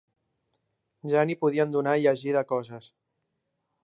Ja n'hi podien donar a llegir de coses